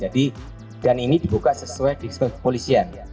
dan ini dibuka sesuai disiplin polisian